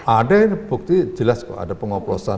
ada ini bukti jelas kok ada pengoplosan